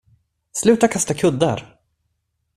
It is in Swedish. Sluta kasta kuddar!